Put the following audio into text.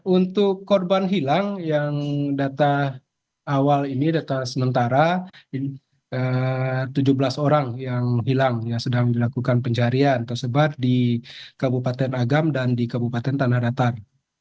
untuk korban hilang yang data awal ini data sementara tujuh belas orang yang hilang yang sedang dilakukan pencarian tersebar di kabupaten agam dan di kabupaten tanah datar